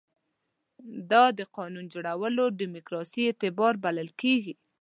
دا د قانون جوړولو دیموکراسي اعتبار بلل کېږي.